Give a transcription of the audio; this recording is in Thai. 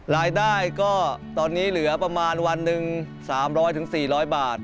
รายได้ก็ตอนนี้เหลือประมาณวันหนึ่ง๓๐๐๔๐๐บาท